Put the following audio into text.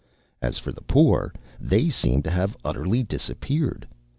As for the poor, they seemed to have utterly disappeared.